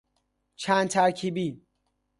چند ترکیبی